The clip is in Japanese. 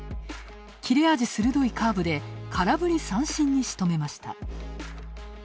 切れ味鋭いカーブで空振り三振にしとめました。